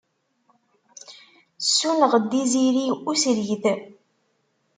Ssuneɣ-d izirig usrid.